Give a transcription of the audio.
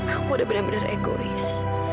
aku udah benar benar egois